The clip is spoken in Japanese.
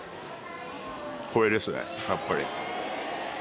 これですねやっぱり。